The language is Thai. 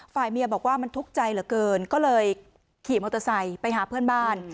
ฝ่ายเมียบอกว่ามันทุกข์ใจเหลือเกินก็เลยขี่มอเตอร์ไซค์ไปหาเพื่อนบ้าน